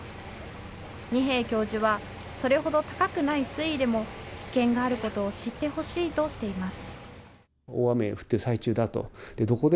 二瓶教授はそれほど高くない水位でも危険があることを知ってほしいとしています。